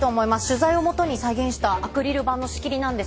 取材を基に再現したアクリル板の仕切りなんですが。